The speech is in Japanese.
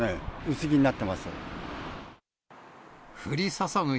薄着になってます。